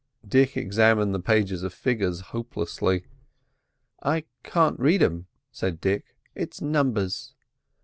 Dick examined the pages of figures hopelessly. "I can't read 'em," said Dick; "it's numbers."